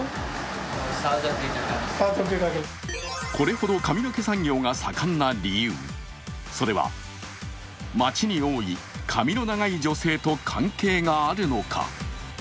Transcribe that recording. これほど髪の毛産業が盛んな理由、それは、街に多い髪の長い女性と関係があるのか。